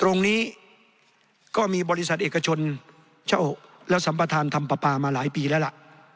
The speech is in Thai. ตรงนี้ก็มีบริษัทเอกชนเช้าศุวร์และสัมปถานธรรมป๊าปามาหลายปีแหละล่ะ